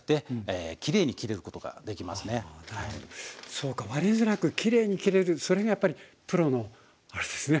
そうか割れづらくきれいに切れるそれがやっぱりプロのあれですね